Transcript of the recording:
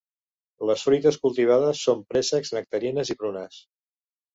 Les fruites cultivades son préssecs, nectarines i prunes.